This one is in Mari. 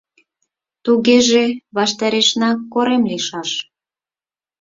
Тугеже ваштарешна корем лийшаш.